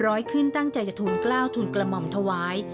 ร้อยขึ้นตั้งใจจะทูลกล้าวทูลกระหม่อมถวาย